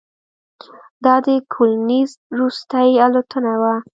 دا د کولینز وروستۍ الوتنه وه.